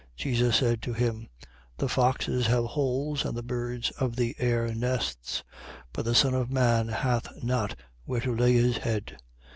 9:58. Jesus said to him: The foxes have holes, and the birds of the air nests: but the Son of man hath not where to lay his head.